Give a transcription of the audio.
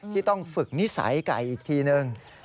ที่ต้องฝึกนิสัยไก่อีกทีนึง